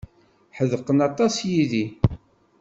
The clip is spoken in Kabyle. Ḥedqen aṭas yid-i.